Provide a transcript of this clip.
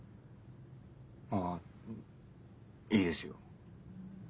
あぁいいですよ。